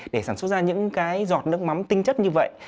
để sản xuất ra những cái giọt nước mắm tinh chất như vậy